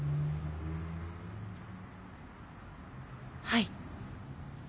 はい。